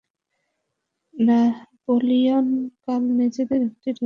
নাপোলিও কাল নিজেদের একটা রেকর্ড ছুঁয়ে ফেলেছে, জিতেছে টানা আটটি ম্যাচ।